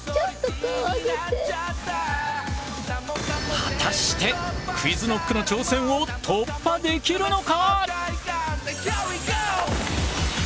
果たしてＱｕｉｚＫｎｏｃｋの挑戦を突破できるのか！？